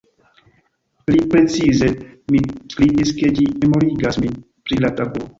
Pli precize, mi skribis ke ĝi "memorigas min" pri la tabuo.